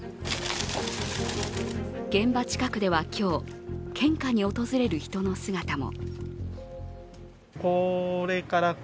現場近くでは今日、献花に訪れる人の姿も。